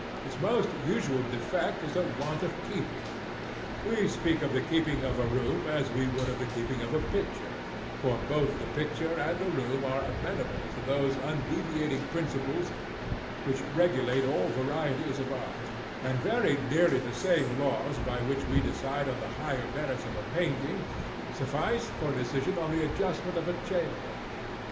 Its most usual defect is a want of keeping. We speak of the keeping of a room as we would of the keeping of a picture—for both the picture and the room are amenable to those undeviating principles which regulate all varieties of art; and very nearly the same laws by which we decide on the higher merits of a painting, suffice for decision on the adjustment of a chamber.